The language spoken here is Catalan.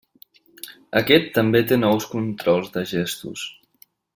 Aquest també té nous controls de gestos.